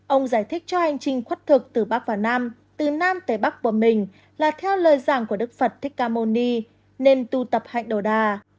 ông giải thích cho hành trình khuất thực từ bắc và nam từ nam tới bắc của mình là theo lời giảng của đức phật thích cà mô ni nên tu tập hạnh đồ đà